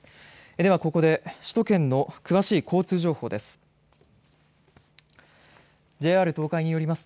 では、ここで首都圏の詳しい交通情報です。